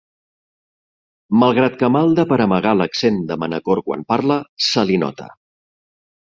Malgrat que malda per amagar l'accent de Manacor quan parla, se li nota.